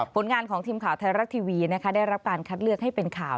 ผลงานของทีมข่าวไทยรัฐทีวีได้รับการคัดเลือกให้เป็นข่าว